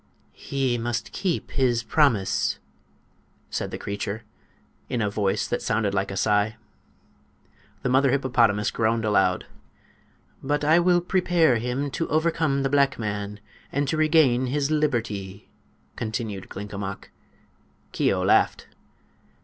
"He must keep his promise," said the creature, in a voice that sounded like a sigh. The mother hippopotamus groaned aloud. "But I will prepare him to overcome the black man, and to regain his liberty," continued Glinkomok. Keo laughed.